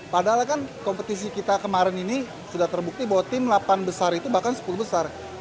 padahal kan kompetisi kita kemarin ini sudah terbukti bahwa tim delapan besar itu bahkan sepuluh besar